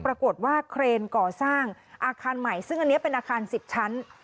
ปรากฏว่าเครนก่อสร้างอาคารใหม่ซึ่งอันนี้เป็นอาคาร๑๐ชั้น